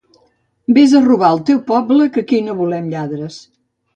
Vés a robar al teu poble que aquí no volem lladres